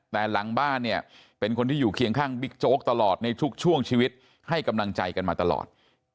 แต่หลังบ้านเนี่ยเป็นคนที่อยู่เคียงข้างบิ๊กโจ๊กตลอดในทุกช่วงชีวิตให้กำลังใจกันมาตลอด